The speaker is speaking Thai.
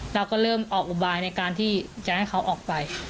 เราก็เริ่มออกอุบายในการที่จะให้เขาออกไป